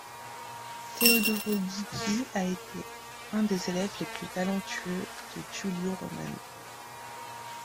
Teodoro Ghigi a été un des élèves les plus talentueux de Giulio Romano.